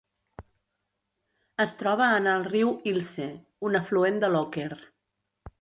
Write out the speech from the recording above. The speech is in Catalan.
Es troba en el riu "Ilse", un afluent de l'Oker.